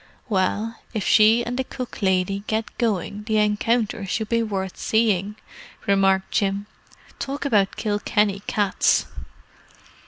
"Well, if she and the cook lady get going the encounter should be worth seeing," remarked Jim. "Talk about the Kilkenny cats!"